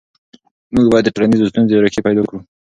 موږ باید د ټولنیزو ستونزو ریښې پیدا کړو.